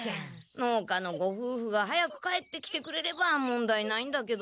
農家のごふうふが早く帰ってきてくれれば問題ないんだけど。